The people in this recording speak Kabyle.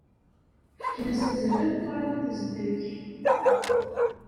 Fkan-as azal ameqran i tezdeg.